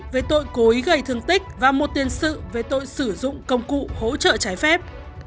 về tội cố ý gây thương tích và một tiền sự về tội sử dụng công cụ hỗ trợ trái phép